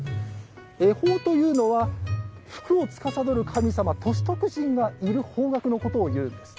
恵方というのは福をつかさどる神様歳徳神がいる方角のことをいうんです。